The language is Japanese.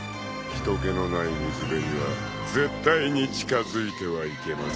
［人けのない水辺には絶対に近づいてはいけませんよ］